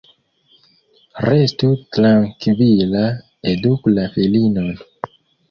Restu trankvila, eduku la filinon.